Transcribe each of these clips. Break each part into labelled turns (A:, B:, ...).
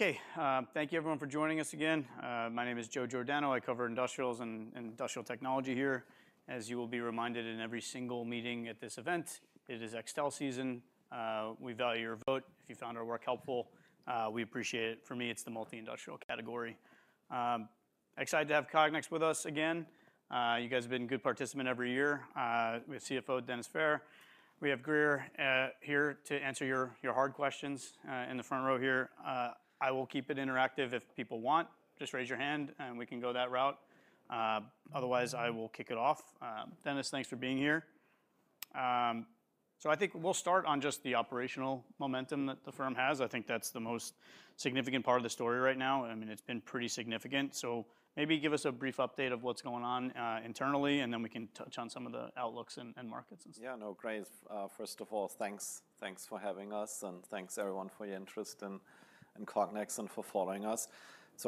A: Thank you everyone for joining us again. My name is Joe Giordano. I cover industrials and industrial technology here. As you will be reminded in every single meeting at this event, it is Extel season. We value your vote. If you found our work helpful, we appreciate it. For me, it's the multi-industrial category. Excited to have Cognex with us again. You guys have been a good participant every year. We have CFO Dennis Fehr. We have Greer here to answer your hard questions, in the front row here. I will keep it interactive if people want. Raise your hand and we can go that route. I will kick it off. Dennis, thanks for being here. I think we'll start on just the operational momentum that the firm has. I think that's the most significant part of the story right now. It's been pretty significant. Maybe give us a brief update of what's going on internally, and then we can touch on some of the outlooks and markets and stuff.
B: Yeah, no, great. First of all, thanks for having us, and thanks everyone for your interest in Cognex and for following us.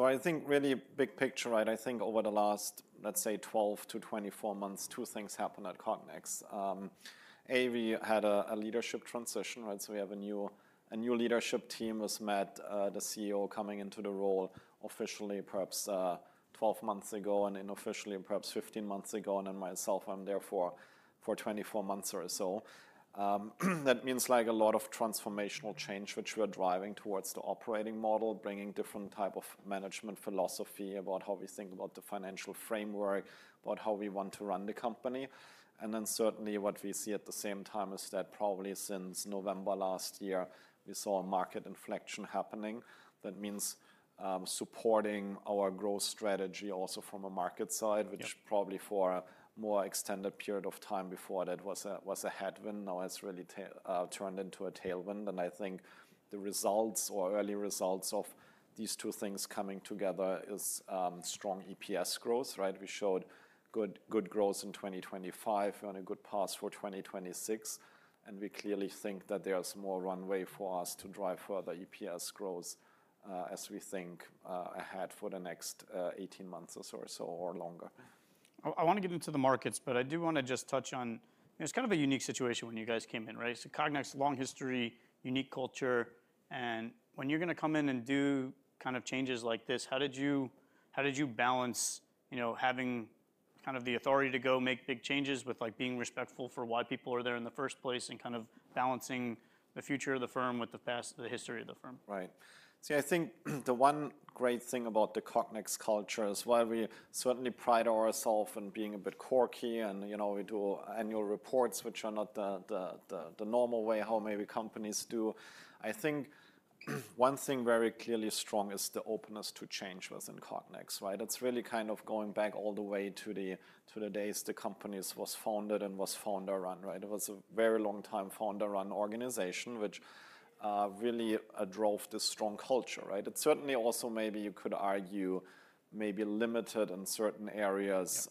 B: I think really big picture, I think over the last, lets say, 12 to 24 months, two things happened at Cognex. A, we had a leadership transition. We have a new leadership team, with Matt, the CEO, coming into the role officially perhaps 12 months ago, and unofficially perhaps 15 months ago. Myself, I'm there for 24 months or so. That means a lot of transformational change, which we are driving towards the operating model, bringing different type of management philosophy about how we think about the financial framework, about how we want to run the company. Certainly what we see at the same time is that probably since November last year, we saw a market inflection happening. That means supporting our growth strategy also from a market side.
A: Yeah
B: which probably for a more extended period of time before that was a headwind. Now it's really turned into a tailwind, and I think the results or early results of these two things coming together is strong EPS growth. We showed good growth in 2025. We're on a good path for 2026, and we clearly think that there is more runway for us to drive further EPS growth, as we think ahead for the next 18 months or so, or longer.
A: I want to get into the markets, but I do want to just touch on, it was kind of a unique situation when you guys came in. Cognex, long history, unique culture. When you're going to come in and do changes like this, how did you balance having the authority to go make big changes with being respectful for why people are there in the first place, and balancing the future of the firm with the past, the history of the firm?
B: Right. See, I think the one great thing about the Cognex culture is while we certainly pride ourself in being a bit quirky, and we do annual reports which are not the normal way how maybe companies do. One thing very clearly strong is the openness to change within Cognex. It's really kind of going back all the way to the days the company was founded and was founder-run. It was a very long time founder-run organization, which really drove the strong culture. It certainly also maybe you could argue, maybe limited in certain areas,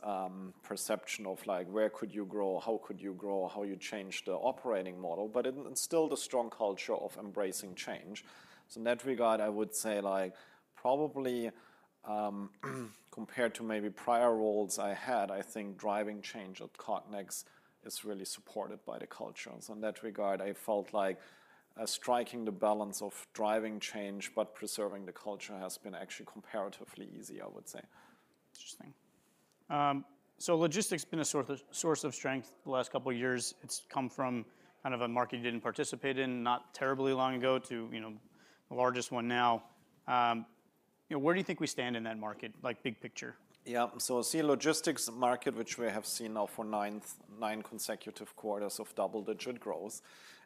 B: perception of where could you grow, how could you grow, how you change the operating model. It instilled a strong culture of embracing change. In that regard, I would say probably, compared to maybe prior roles I had, I think driving change at Cognex is really supported by the culture. In that regard, I felt like striking the balance of driving change but preserving the culture has been actually comparatively easy, I would say.
A: Interesting. Logistics been a source of strength the last couple of years. It's come from kind of a market you didn't participate in not terribly long ago to the largest one now. Where do you think we stand in that market, big picture?
B: Yeah. See a logistics market which we have seen now for nine consecutive quarters of double-digit growth.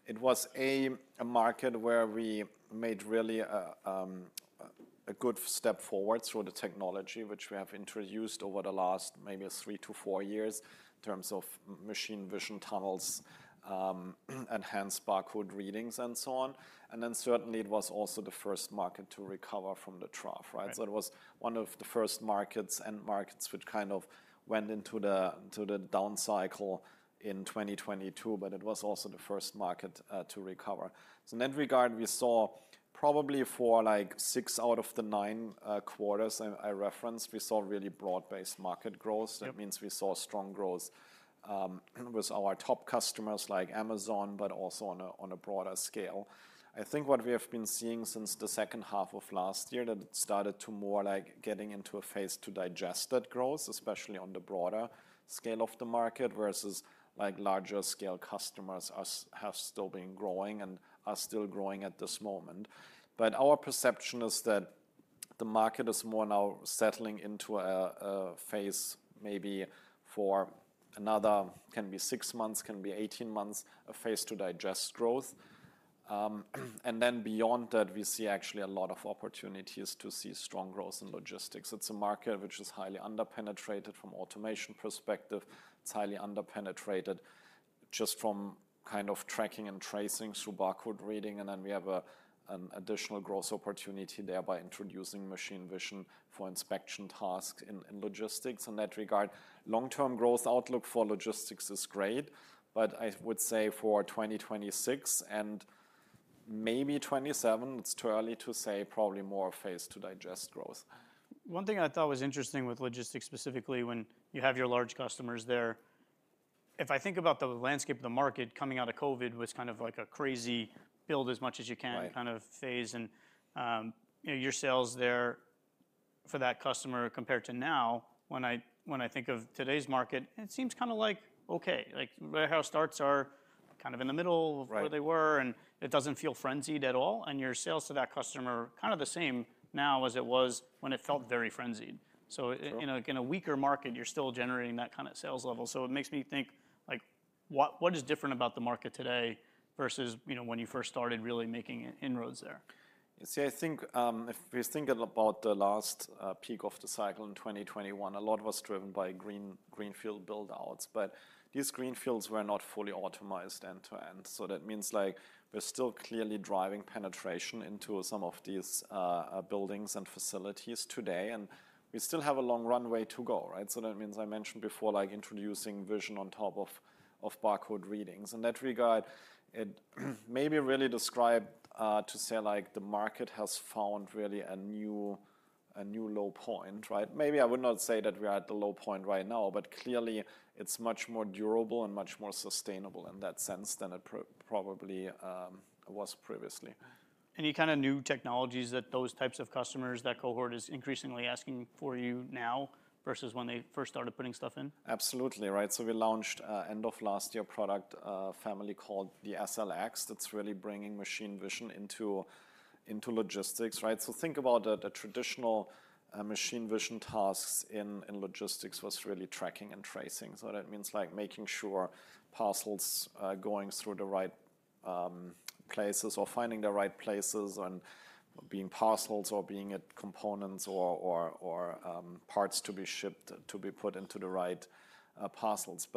B: It was a market where we made really a good step forward through the technology which we have introduced over the last maybe three to four years in terms of machine vision tunnels, enhanced barcode readings, and so on. Certainly, it was also the first market to recover from the trough, right?
A: Right.
B: It was one of the first end markets which kind of went into the down cycle in 2022, but it was also the first market to recover. In that regard, we saw probably for six out of the nine quarters I referenced, we saw really broad-based market growth.
A: Yep.
B: That means we saw strong growth with our top customers like Amazon, but also on a broader scale. What we have been seeing since the second half of last year, that it started to more like getting into a phase to digest that growth, especially on the broader scale of the market, versus larger scale customers have still been growing and are still growing at this moment. Our perception is that the market is more now settling into a phase maybe for another, can be six months, can be 18 months, a phase to digest growth. Beyond that, we see actually a lot of opportunities to see strong growth in logistics. It's a market which is highly under-penetrated from automation perspective. It's highly under-penetrated just from kind of tracking and tracing through barcode reading, and then we have an additional growth opportunity there by introducing machine vision for inspection tasks in logistics. In that regard, long-term growth outlook for logistics is great, but I would say for 2026 and maybe 2027, it's too early to say, probably more a phase to digest growth.
A: One thing I thought was interesting with logistics specifically, when you have your large customers there. If I think about the landscape of the market coming out of COVID was kind of like a crazy build as much as you can kind of phase. Your sales there for that customer compared to now, when I think of today's market, it seems kind of like, okay, warehouse starts are kind of in the middle of where they were, it doesn't feel frenzied at all. Your sales to that customer are kind of the same now as it was when it felt very frenzied.
B: Sure.
A: In a weaker market, you're still generating that kind of sales level. It makes me think, what is different about the market today versus when you first started really making inroads there?
B: You see, I think if we think about the last peak of the cycle in 2021, a lot was driven by greenfield build-outs. These greenfields were not fully automized end-to-end. That means we're still clearly driving penetration into some of these buildings and facilities today, and we still have a long runway to go, right? That means I mentioned before, like introducing vision on top of barcode reading. In that regard, maybe really describe to say, the market has found really a new low point, right? Maybe I would not say that we are at the low point right now, but clearly it's much more durable and much more sustainable in that sense than it probably was previously.
A: Any kind of new technologies that those types of customers, that cohort is increasingly asking for you now versus when they first started putting stuff in?
B: Absolutely, right. We launched end of last year, product family called the SLX, that's really bringing machine vision into logistics, right? Think about the traditional machine vision tasks in logistics was really tracking and tracing. That means making sure parcels are going through the right places or finding the right places and be it parcels or be it components or parts to be shipped to be put into the right parcels.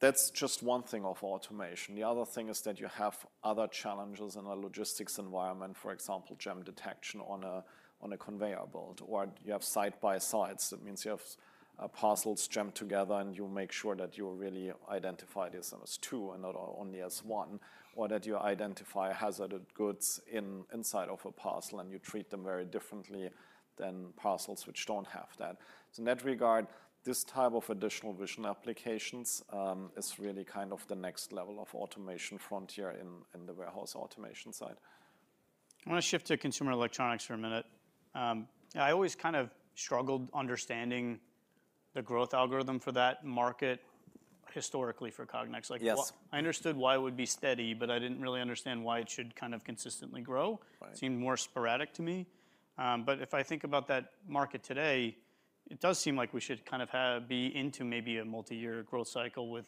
B: That's just one thing of automation. The other thing is that you have other challenges in a logistics environment. For example, jam detection on a conveyor belt, or you have side by sides. That means you have parcels jammed together, you make sure that you really identify this as two and not only as one, or that you identify hazardous goods inside of a parcel, and you treat them very differently than parcels which don't have that. In that regard, this type of additional vision applications is really kind of the next level of automation frontier in the warehouse automation side.
A: I want to shift to consumer electronics for a minute. I always kind of struggled understanding the growth algorithm for that market historically for Cognex.
B: Yes.
A: I understood why it would be steady. I didn't really understand why it should kind of consistently grow.
B: Right.
A: Seemed more sporadic to me. If I think about that market today, it does seem like we should kind of be into maybe a multi-year growth cycle with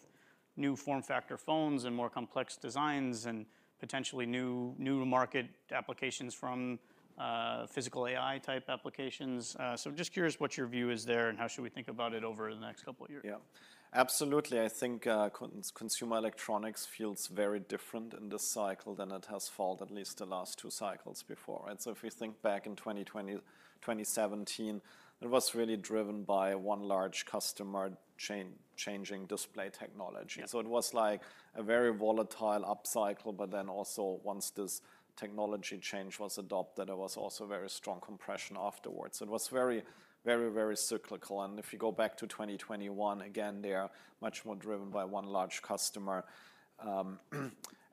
A: new form factor phones and more complex designs and potentially new market applications from physical AI-type applications. Just curious what your view is there and how should we think about it over the next couple of years?
B: Yeah. Absolutely. I think consumer electronics feels very different in this cycle than it has felt at least the last two cycles before, right? If we think back in 2017, it was really driven by one large customer changing display technology.
A: Yes.
B: It was a very volatile upcycle, also once this technology change was adopted, there was also very strong compression afterwards. It was very cyclical. If you go back to 2021, again, they are much more driven by one large customer.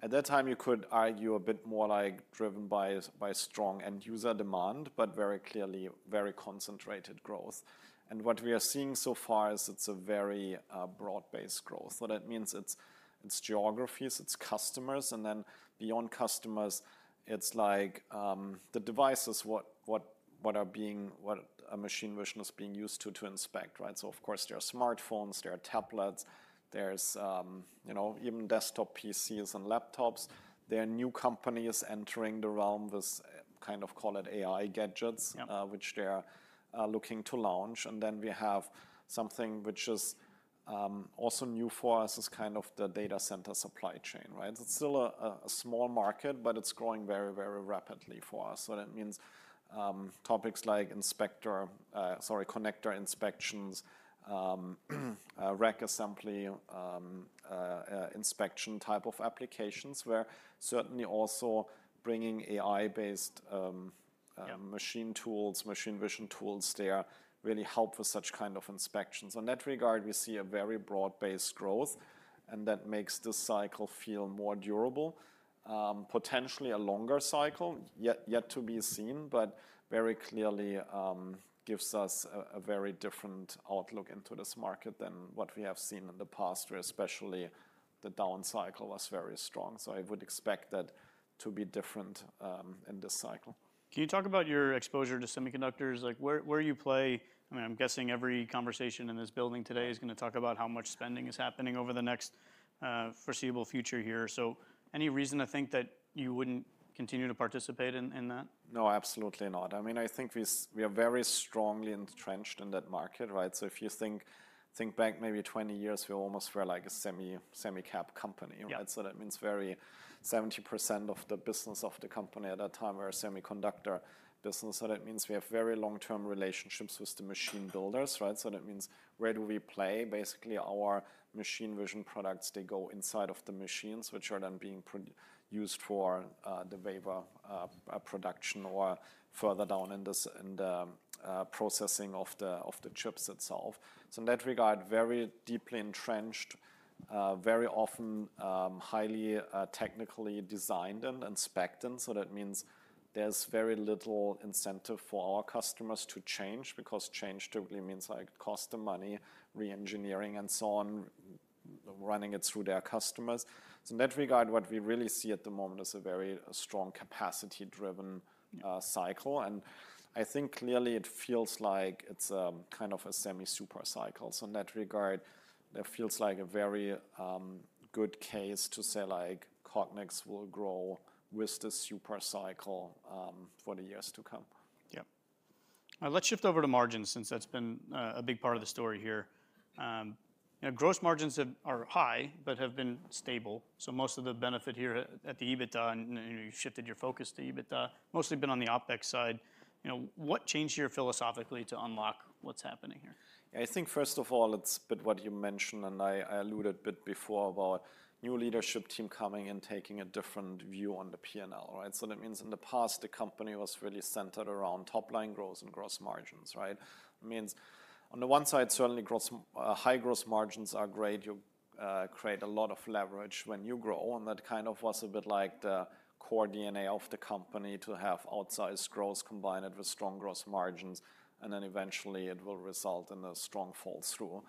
B: At that time, you could argue a bit more driven by strong end-user demand, but very clearly very concentrated growth. What we are seeing so far is it's a very broad-based growth. That means its geographies, its customers, and then beyond customers, it's like the devices, what a machine vision is being used to inspect, right? Of course, there are smartphones, there are tablets, there's even desktop PCs and laptops. There are new companies entering the realm with kind of call it AI gadgets, which they are looking to launch. We have something which is also new for us, is kind of the data center supply chain, right? It's still a small market, but it's growing very rapidly for us. That means topics like, sorry, connector inspections, rack assembly, inspection type of applications. We're certainly also bringing AI-based machine tools, machine vision tools there, really help with such kind of inspections. In that regard, we see a very broad-based growth, and that makes this cycle feel more durable. Potentially a longer cycle, yet to be seen, but very clearly gives us a very different outlook into this market than what we have seen in the past, where especially the down cycle was very strong. I would expect that to be different in this cycle.
A: Can you talk about your exposure to semiconductors, like where you play? I'm guessing every conversation in this building today is going to talk about how much spending is happening over the next foreseeable future here. Any reason to think that you wouldn't continue to participate in that?
B: No, absolutely not. I think we are very strongly entrenched in that market, right? If you think back maybe 20 years, we almost were like a semi-cap company.
A: Yeah.
B: That means 70% of the business of the company at that time were a semiconductor business. That means we have very long-term relationships with the machine builders, right? That means where do we play? Basically, our machine vision products, they go inside of the machines, which are then being used for the wafer production or further down in the processing of the chips itself. In that regard, very deeply entrenched, very often highly technically designed and inspected. That means there's very little incentive for our customers to change, because change totally means cost them money, re-engineering, and so on running it through their customers. In that regard, what we really see at the moment is a very strong capacity-driven cycle. Clearly it feels like it's kind of a semi super cycle. In that regard, it feels like a very good case to say, Cognex will grow with the super cycle for the years to come.
A: Yeah. Let's shift over to margins since that's been a big part of the story here. Gross margins are high but have been stable. Most of the benefit here at the EBITDA, and you shifted your focus to EBITDA, mostly been on the OpEx side. What changed here philosophically to unlock what's happening here?
B: I think first of all, it's a bit what you mentioned, and I alluded a bit before about new leadership team coming and taking a different view on the P&L. That means in the past, the company was really centered around top line growth and gross margins. It means on the one side, certainly high gross margins are great. You create a lot of leverage when you grow, and that kind of was a bit like the core DNA of the company to have outsized growth combined with strong gross margins. Then eventually it will result in a strong fall through.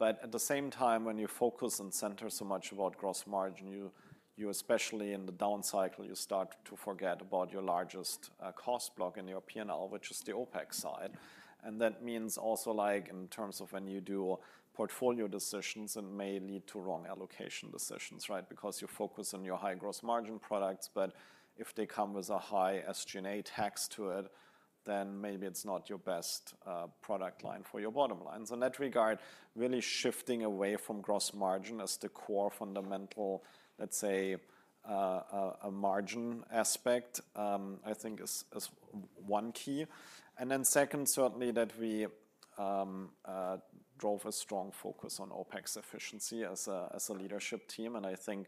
B: At the same time, when you focus and center so much about gross margin, you especially in the down cycle, you start to forget about your largest cost block in your P&L, which is the OpEx side. That means also like in terms of when you do portfolio decisions, it may lead to wrong allocation decisions, right? Because you focus on your high gross margin products, but if they come with a high SG&A tax to it, then maybe it's not your best product line for your bottom line. In that regard, really shifting away from gross margin as the core fundamental, let's say, margin aspect, I think is one key. Then second, certainly that we drove a strong focus on OpEx efficiency as a leadership team, and I think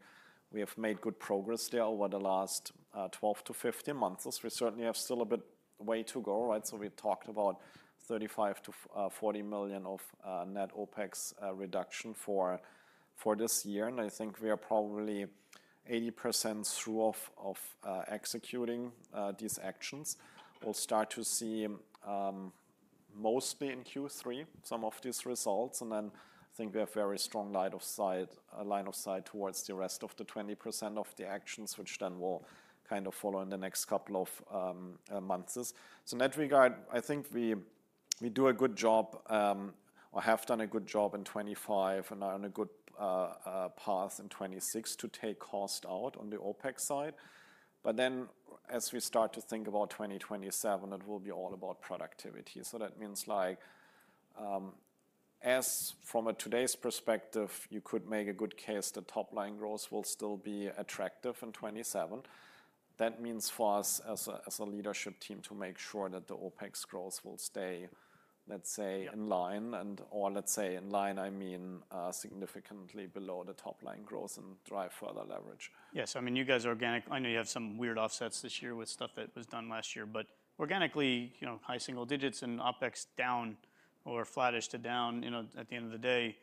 B: we have made good progress there over the last 12 to 15 months. We certainly have still a bit way to go, right? We talked about $35 million to $40 million of net OpEx reduction for this year. I think we are probably 80% through of executing these actions. We'll start to see, mostly in Q3, some of these results, and then I think we have very strong line of sight towards the rest of the 20% of the actions, which then will follow in the next couple of months. In that regard, I think we do a good job, or have done a good job in 2025 and are on a good path in 2026 to take cost out on the OpEx side. As we start to think about 2027, it will be all about productivity. That means like, from a today's perspective, you could make a good case that top line growth will still be attractive in 2027. That means for us as a leadership team to make sure that the OpEx growth will stay, let's say, in line, I mean, significantly below the top line growth and drive further leverage.
A: Yes. You guys are organic. I know you have some weird offsets this year with stuff that was done last year. Organically, high single digits and OpEx down or flattish to down, at the end of the day,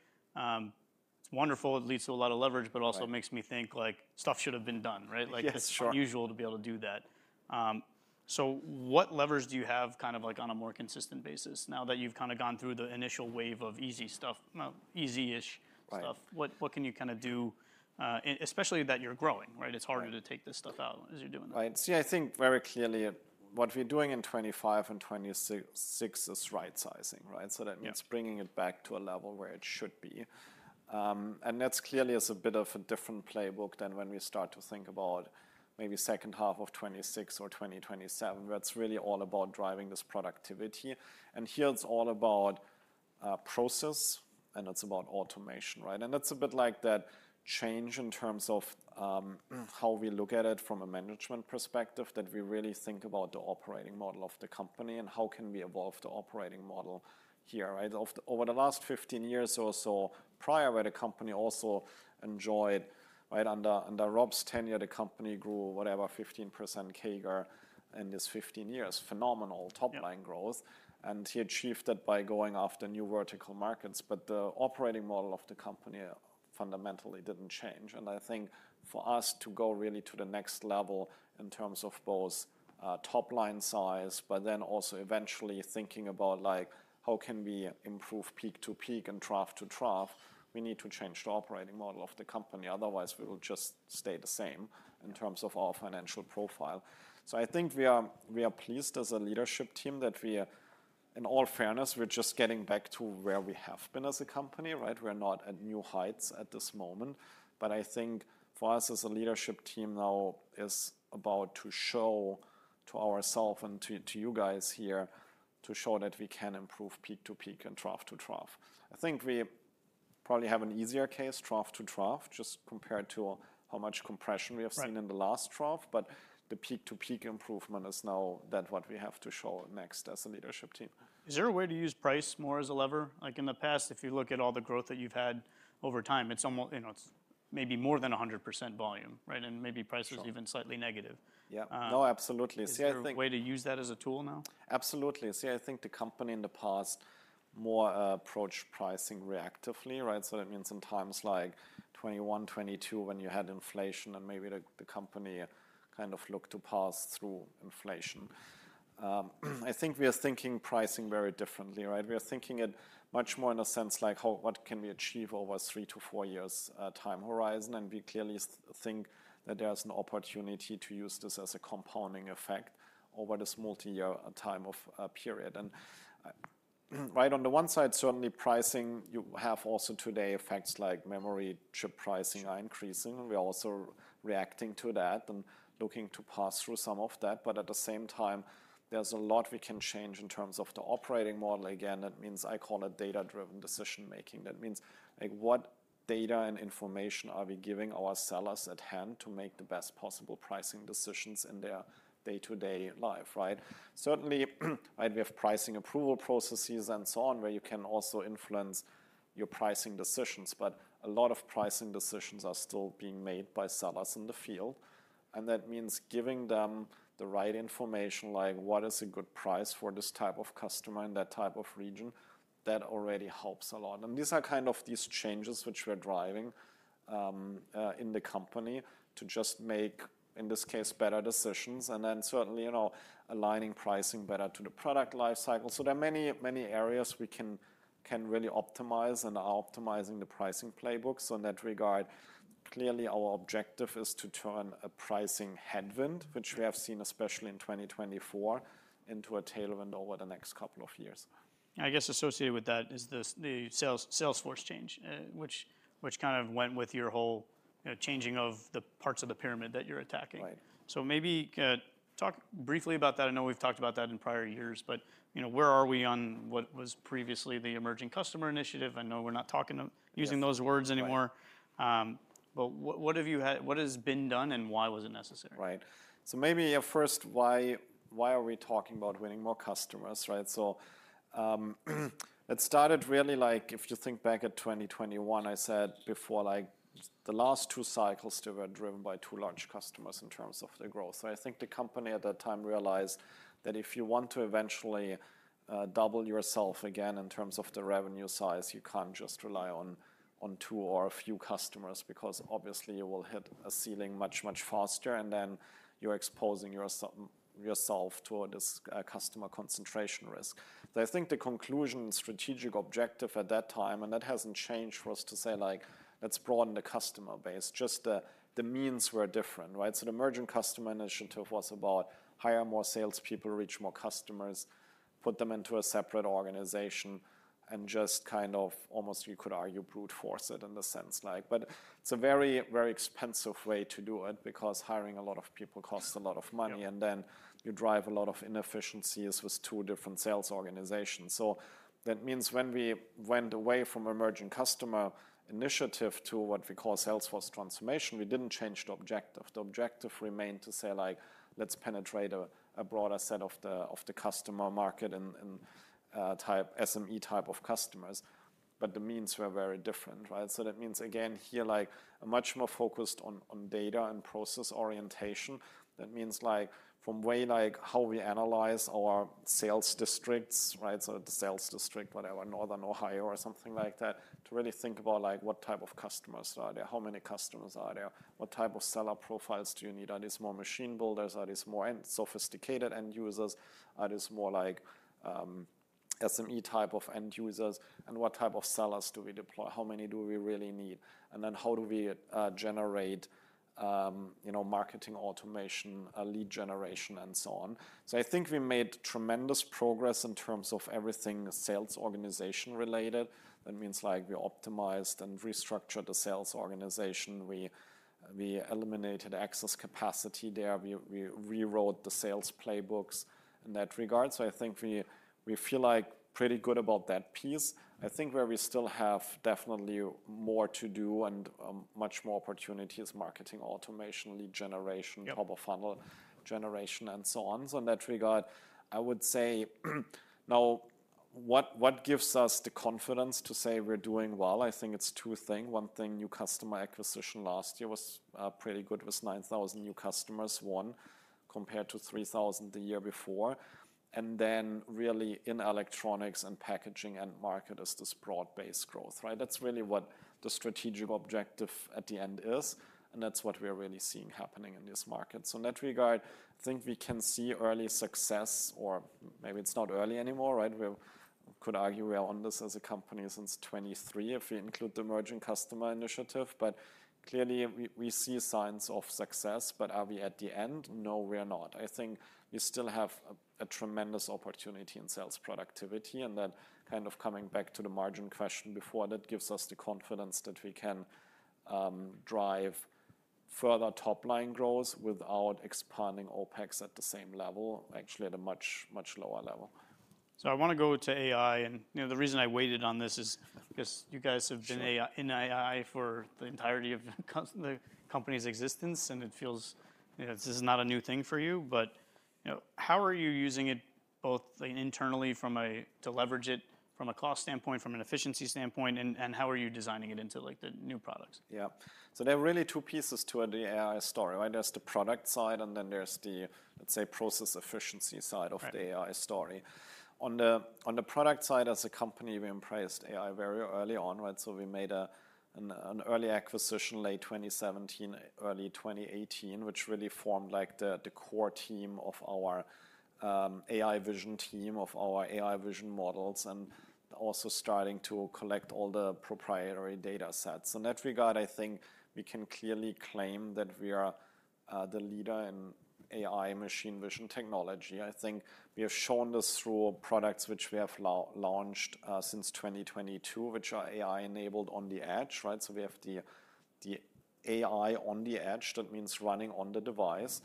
A: it's wonderful. It leads to a lot of leverage, but also makes me think like stuff should've been done, right?
B: Yeah, sure.
A: It's unusual to be able to do that. What levers do you have on a more consistent basis now that you've gone through the initial wave of easy stuff, easy-ish stuff?
B: Right.
A: What can you do, especially that you're growing, right? It's harder to take this stuff out as you're doing that.
B: Right. See, I think very clearly what we're doing in 2025 and 2026 is right-sizing, right?
A: Yeah.
B: That means bringing it back to a level where it should be. That's clearly is a bit of a different playbook than when we start to think about maybe second half of 2026 or 2027. That's really all about driving this productivity. Here it's all about process and it's about automation, right? That's a bit like that change in terms of how we look at it from a management perspective, that we really think about the operating model of the company and how can we evolve the operating model here, right? Over the last 15 years or so, prior where the company also enjoyed, right, under Rob's tenure, the company grew, whatever, 15% CAGR in his 15 years. Phenomenal top line growth.
A: Yeah.
B: He achieved it by going after new vertical markets. The operating model of the company fundamentally didn't change. For us to go really to the next level in terms of both top line size, but then also eventually thinking about like, how can we improve peak to peak and trough to trough? We need to change the operating model of the company, otherwise we will just stay the same in terms of our financial profile. We are pleased as a leadership team that we are, in all fairness, we're just getting back to where we have been as a company, right? We're not at new heights at this moment. For us as a leadership team now is about to show to ourself and to you guys here to show that we can improve peak to peak and trough to trough. I think we probably have an easier case, trough to trough, just compared to how much compression we have seen in the last trough. The peak to peak improvement is now that what we have to show next as a leadership team.
A: Is there a way to use price more as a lever? Like in the past, if you look at all the growth that you've had over time, it's maybe more than 100% volume, right? Maybe price was even slightly negative.
B: Yeah. No, absolutely.
A: Is there a way to use that as a tool now?
B: Absolutely. The company in the past more approached pricing reactively, right? That means in times like 2021, 2022, when you had inflation and maybe the company kind of looked to pass through inflation. We are thinking pricing very differently, right? We are thinking it much more in a sense, like what can we achieve over a three to four years time horizon, and we clearly think that there's an opportunity to use this as a compounding effect over this multi-year time of period. Right on the one side, certainly pricing, you have also today effects like memory chip pricing are increasing. We're also reacting to that and looking to pass through some of that. At the same time, there's a lot we can change in terms of the operating model. Again, that means I call it data-driven decision-making. That means what data and information are we giving our sellers at hand to make the best possible pricing decisions in their day-to-day life, right? Certainly, we have pricing approval processes and so on where you can also influence your pricing decisions. A lot of pricing decisions are still being made by sellers in the field, and that means giving them the right information, like what is a good price for this type of customer in that type of region. That already helps a lot. These are kind of these changes which we're driving in the company to just make, in this case, better decisions and then certainly aligning pricing better to the product life cycle. There are many areas we can really optimize and are optimizing the pricing playbook. In that regard, clearly our objective is to turn a pricing headwind, which we have seen especially in 2024, into a tailwind over the next couple of years.
A: Associated with that is the Salesforce change, which kind of went with your whole changing of the parts of the pyramid that you're attacking.
B: Right.
A: Maybe talk briefly about that. I know we've talked about that in prior years. Where are we on what was previously the Emerging Customer initiative? I know we're not using those words anymore.
B: Right.
A: What has been done and why was it necessary?
B: Right. Maybe first, why are we talking about winning more customers, right? It started really, if you think back at 2021, I said before, the last two cycles, they were driven by two large customers in terms of the growth. I think the company at that time realized that if you want to eventually double yourself again in terms of the revenue size, you can't just rely on two or a few customers, because obviously you will hit a ceiling much, much faster, and then you're exposing yourself toward this customer concentration risk. I think the conclusion strategic objective at that time, and that hasn't changed, was to say, let's broaden the customer base. Just the means were different, right? The Emerging Customer initiative was about hire more salespeople, reach more customers, put them into a separate organization, and just kind of almost you could argue brute force it in a sense. It's a very, very expensive way to do it because hiring a lot of people costs a lot of money, and then you drive a lot of inefficiencies with two different sales organizations. That means when we went away from Emerging Customer initiative to what we call Salesforce transformation, we didn't change the objective. The objective remained to say, "Let's penetrate a broader set of the customer market and SME type of customers." The means were very different, right? That means, again, here, much more focused on data and process orientation. That means from how we analyze our sales districts, right? The sales district, whatever, Northern Ohio or something like that, to really think about what type of customers are there, how many customers are there, what type of seller profiles do you need? Are these more machine builders? Are these more sophisticated end users? Are these more SME type of end users? What type of sellers do we deploy? How many do we really need? Then how do we generate marketing automation, lead generation, and so on. We made tremendous progress in terms of everything sales organization related. That means we optimized and restructured the sales organization. We eliminated excess capacity there. We rewrote the sales playbooks in that regard. We feel pretty good about that piece. Where we still have definitely more to do and much more opportunity is marketing automation, lead generation, top of funnel generation, so on. In that regard, I would say now what gives us the confidence to say we're doing well, I think it's two things. One thing, new customer acquisition last year was pretty good, was 9,000 new customers, one, compared to 3,000 the year before. Really in electronics and packaging end market is this broad-based growth, right? That's really what the strategic objective at the end is, that's what we are really seeing happening in this market. In that regard, I think we can see early success, or maybe it's not early anymore, right? We could argue we are on this as a company since 2023 if we include the Emerging Customer initiative. Clearly, we see signs of success. Are we at the end? No, we are not. We still have a tremendous opportunity in sales productivity. Coming back to the margin question before, that gives us the confidence that we can drive further top-line growth without expanding OpEx at the same level. Actually, at a much, much lower level.
A: I want to go to AI, the reason I waited on this is because you have been in AI for the entirety of the company's existence, and it feels this is not a new thing for you. How are you using it both internally to leverage it from a cost standpoint, from an efficiency standpoint, and how are you designing it into the new products?
B: Yeah. There are really two pieces to the AI story, right? There's the product side, and then there's the, let's say, process efficiency side of the AI story. On the product side as a company, we embraced AI very early on, right? We made an early acquisition late 2017, early 2018, which really formed the core team of our AI vision team, of our AI vision models, and also starting to collect all the proprietary data sets. In that regard, we can clearly claim that we are the leader in AI machine vision technology. We have shown this through products which we have launched since 2022, which are AI-enabled on the edge. We have the AI on the edge, that means running on the device.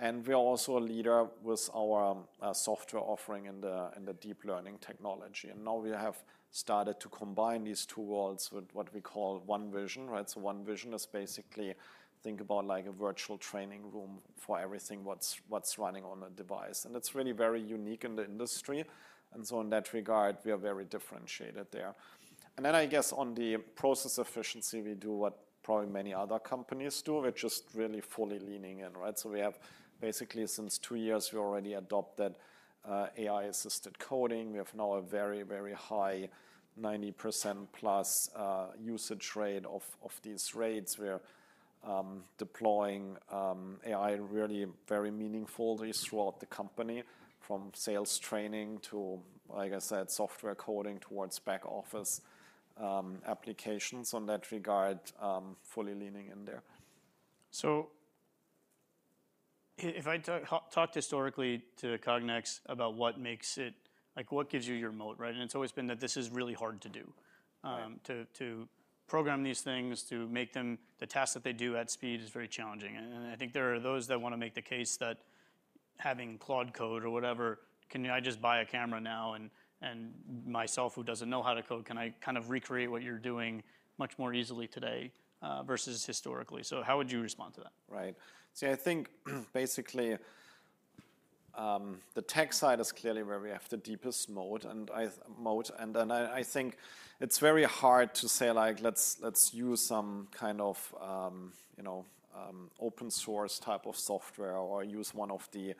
B: We are also a leader with our software offering in the deep learning technology. Now we have started to combine these two worlds with what we call OneVision, right? OneVision is basically, think about a virtual training room for everything that's running on a device. It's really very unique in the industry. In that regard, we are very differentiated there. Then, I guess on the process efficiency, we do what probably many other companies do, which is really fully leaning in, right? We have basically since two years, we already adopted AI-assisted coding. We have now a very, very high 90% plus usage rate of these rates. We're deploying AI really very meaningfully throughout the company from sales training to, like I said, software coding towards back-office applications in that regard, fully leaning in there.
A: If I talked historically to Cognex about what gives you your moat, right? It's always been that this is really hard to do.
B: Right.
A: To program these things, to make the tasks that they do at speed is very challenging. I think there are those that want to make the case that having Claude code or whatever, can I just buy a camera now and myself, who doesn't know how to code, can I kind of recreate what you're doing much more easily today versus historically? How would you respond to that?
B: Right. Basically, the tech side is clearly where we have the deepest moat. I think it's very hard to say, "Let's use some kind of open source type of software or use one of the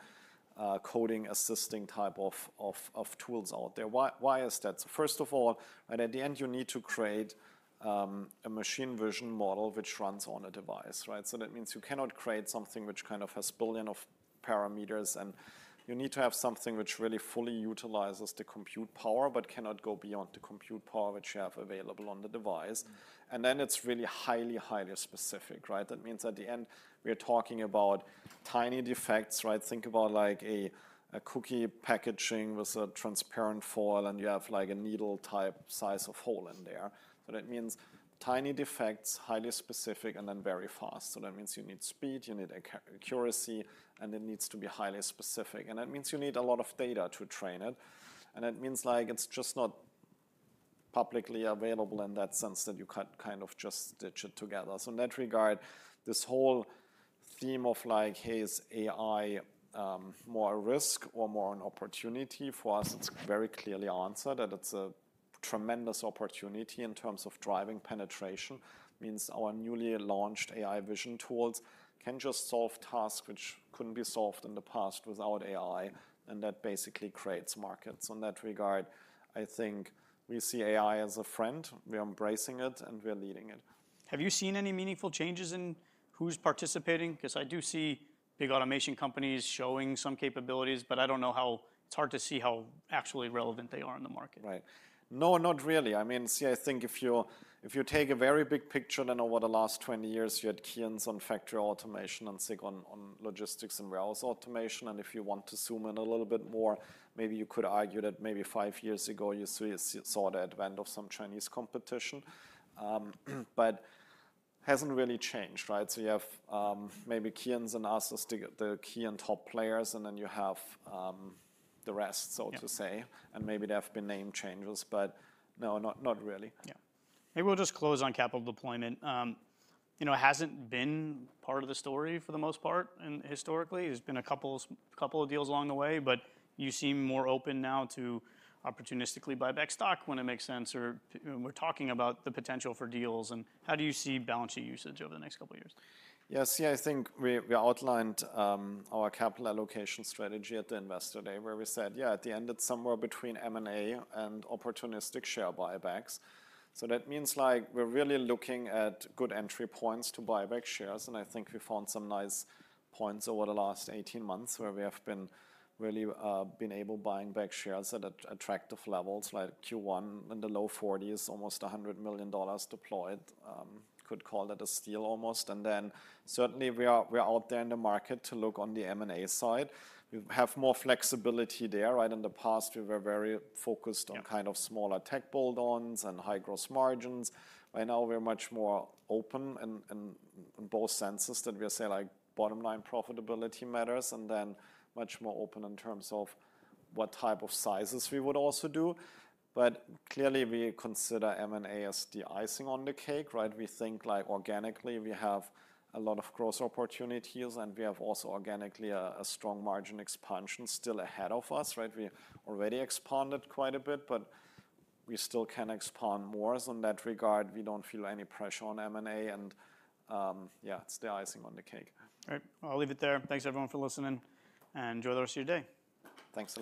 B: coding assisting type of tools out there." Why is that? First of all, right at the end, you need to create a machine vision model which runs on a device, right? That means you cannot create something which has billions of parameters, and you need to have something which really fully utilizes the compute power, but cannot go beyond the compute power which you have available on the device. It's really highly specific, right? That means, at the end, we are talking about tiny defects, right? Think about a cookie packaging with a transparent foil, and you have a needle-type size of hole in there. That means tiny defects, highly specific, and then very fast. That means you need speed, you need accuracy, and it needs to be highly specific. That means you need a lot of data to train it. That means it's just not publicly available in that sense that you can kind of just stitch it together. In that regard, this whole theme of, "Hey, is AI more a risk or more an opportunity for us?" It's very clearly answered that it's a tremendous opportunity in terms of driving penetration. It means our newly launched AI vision tools can just solve tasks which couldn't be solved in the past without AI, and that basically creates markets. In that regard, I think we see AI as a friend, we are embracing it, and we are leading it.
A: Have you seen any meaningful changes in who's participating? I do see big automation companies showing some capabilities, but it's hard to see how actually relevant they are in the market.
B: Right. No, not really. If you take a very big picture then over the last 20 years, you had Keyence on factory automation and SICK on logistics and rail automation. If you want to zoom in a little bit more, maybe you could argue that maybe five years ago, you saw the advent of some Chinese competition. It hasn't really changed, right? You have maybe Keyence and us as the key and top players, and then you have the rest, so to say.
A: Yeah.
B: Maybe there have been name changes, but no, not really.
A: Yeah. Maybe we'll just close on capital deployment. It hasn't been part of the story for the most part historically. There's been a couple of deals along the way, but you seem more open now to opportunistically buy back stock when it makes sense, or we're talking about the potential for deals. How do you see balancing usage over the next couple of years?
B: Yeah. See, I think we outlined our capital allocation strategy at the Investor Day, where we said, yeah, at the end, it's somewhere between M&A and opportunistic share buybacks. That means we're really looking at good entry points to buy back shares, and I think we found some nice points over the last 18 months where we have really been able buying back shares at attractive levels, like Q1 in the low 40s, almost $100 million deployed. Could call it a steal almost. Then certainly, we are out there in the market to look on the M&A side. We have more flexibility there. In the past, we were very focused on kind of smaller tech bolt-ons and high gross margins. We are much more open in both senses that we say bottom-line profitability matters, and then much more open in terms of what type of sizes we would also do. Clearly, we consider M&A as the icing on the cake, right? We think organically, we have a lot of growth opportunities, and we have also, organically, a strong margin expansion still ahead of us. We already expanded quite a bit, but we still can expand more. In that regard, we don't feel any pressure on M&A. Yeah, it's the icing on the cake.
A: All right. I'll leave it there. Thanks everyone for listening, and enjoy the rest of your day.
B: Thanks.